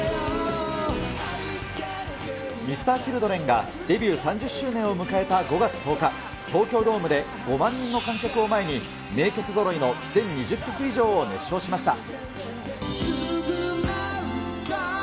Ｍｒ．Ｃｈｉｌｄｒｅｎが、デビュー３０周年を迎えた５月１０日、東京ドームで５万人の観客を前に、名曲ぞろいの全２０曲以上を熱唱しました。